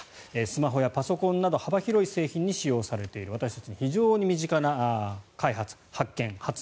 スマホやパソコンなど幅広い製品に利用されている私たちの非常に身近な開発、発見。